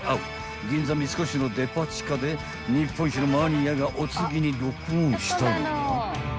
銀座三越のデパ地下で日本一のマニアがお次にロックオンしたのは？］